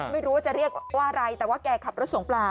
ไม่รู้ว่าจะเรียกว่าอะไรแต่ว่าแกขับรถส่งปลา